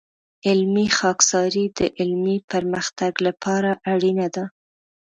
علمي خاکساري د علمي پرمختګ لپاره اړینه ده.